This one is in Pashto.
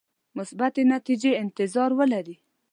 مثبتې نتیجې انتظار ولري.